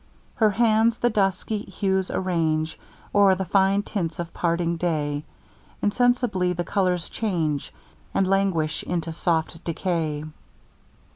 Her hands, the dusky hues arrange O'er the fine tints of parting day; Insensibly the colours change, And languish into soft decay.